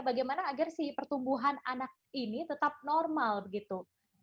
bagaimana agar si pertumbuhan anak ini tetap normal begitu